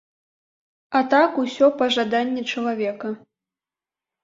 А так усё па жаданні чалавека.